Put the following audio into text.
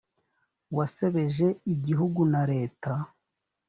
wasebeje igihugu na leta